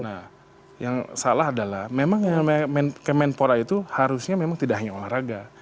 nah yang salah adalah memang kemenpora itu harusnya memang tidak hanya olahraga